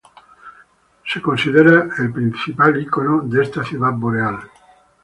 Es considerado el principal icono de esta ciudad boreal.